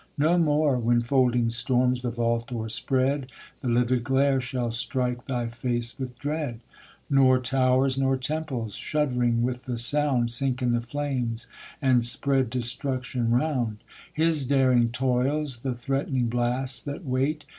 No more, when folding storm.s the vault o'erspread, The livid glare shall strike thy face with dread ; Nor tow'rs nor temples, shudd'ring with the sound, Sink in the flames, and spread derUruction round. His daring toils, the threatening blasts that wait.